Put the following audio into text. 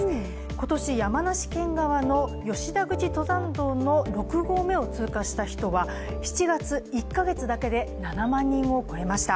今年山梨県側の吉田口登山道の６合目を通過した人は７月１か月だけで７万人を超えました。